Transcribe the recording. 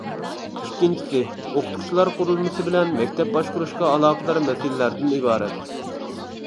ئىككىنچىسى، ئوقۇتقۇچىلار قۇرۇلمىسى بىلەن مەكتەپ باشقۇرۇشقا ئالاقىدار مەسىلىلەردىن ئىبارەت.